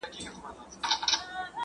آیا ورورولي تر دښمنۍ خوږه ده؟